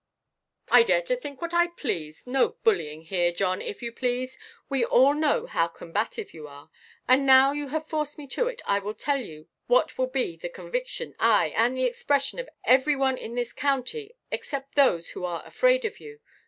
"I dare to think what I please. No bullying here, John, if you please. We all know how combative you are. And, now you have forced me to it, I will tell you what will be the conviction, ay, and the expression of every one in this county, except those who are afraid of you.